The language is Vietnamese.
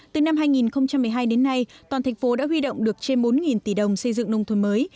từ năm hai nghìn một mươi hai đến nay toàn thành phố đã huy động được trên bốn tỷ đồng xây dựng nông thôn mới